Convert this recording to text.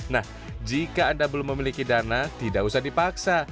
nah jika anda belum memiliki dana tidak usah dipaksa